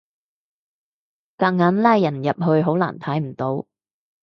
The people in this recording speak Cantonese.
夾硬拉人入去好難睇唔到